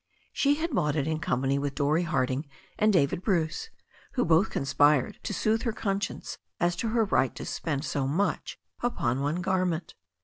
She had bought it in company with Dorrie Harding and David Bruce, who both conspired to soothe her conscience as to her right to spend so much upon one garment.